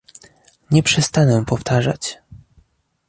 Nie przestanę powtarzać